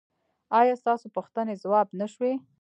ایا ستاسو پوښتنې ځواب نه شوې؟